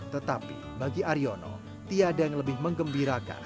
tetapi bagi aryono tiada yang lebih mengembirakan